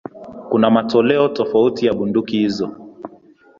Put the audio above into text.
Kuna matoleo tofauti ya bunduki hizo.